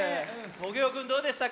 トゲオくんどうでしたか？